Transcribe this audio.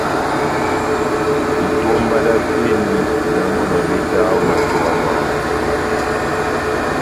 Itómba dá oteni, na mɔ́ na betaha ó matowa mámu.